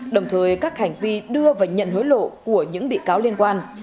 đồng thời các hành vi đưa và nhận hối lộ của những bị cáo liên quan